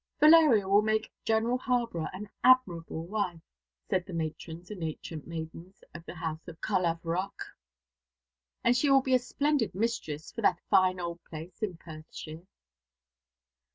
"Valeria will make General Harborough an admirable wife," said the matrons and ancient maidens of the house of Carlavarock, "and she will be a splendid mistress for that fine old place in Perthshire."